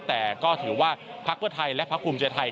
แต่ก็ถือว่าพักเพื่อไทยและพักภูมิใจไทย